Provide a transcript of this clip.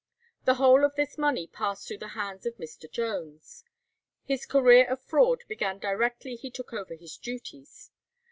The whole of this money passed through the hands of Mr. Jones. His career of fraud began directly he took over his duties.